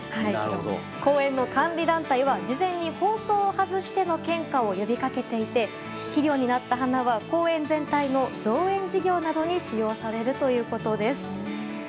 公園の管理団体は事前に、包装を外しての献花を呼び掛けていて肥料になった花は公園全体の造園事業などに使用されるということです。